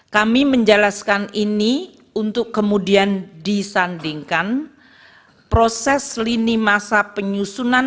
kami menjelaskan ini untuk kemudian disandingkan proses lini masa penyusunan